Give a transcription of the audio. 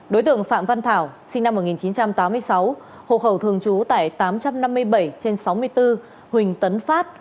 đối tượng phạm văn thảo sinh năm một nghìn chín trăm tám mươi sáu hộ khẩu thường trú tại tám trăm năm mươi bảy trên sáu mươi bốn huỳnh tấn phát